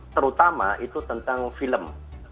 terutama itu tentang film